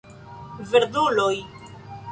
Verduloj!